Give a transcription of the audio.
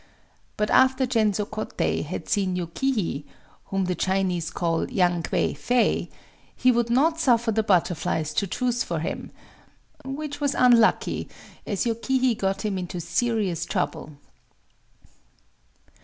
But after Gensō Kōtei had seen Yōkihi (whom the Chinese call Yang Kwei Fei), he would not suffer the butterflies to choose for him,—which was unlucky, as Yokihi got him into serious trouble...